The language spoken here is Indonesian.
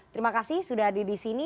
terima kasih sudah ada disini